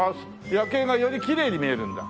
夜景がよりきれいに見えるんだ。